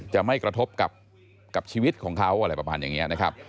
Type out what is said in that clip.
จะไม่กระทบกับชีวิตของเขาอะไรประมาณอย่างนี้นะครับ